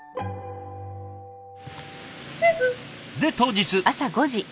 で当日。